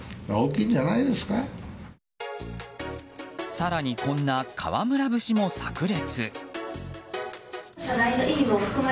更に、こんな河村節も炸裂。